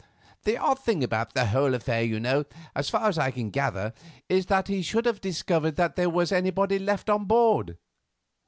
The odd thing about the whole affair, so far as I can gather, is that he should have discovered that there was anybody left on board.